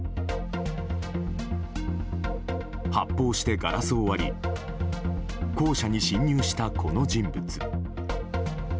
発砲してガラスを割り校舎に侵入したこの人物。